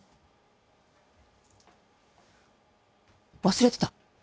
忘れてた。